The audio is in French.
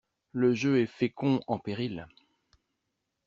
Le jeu est fécond en périls.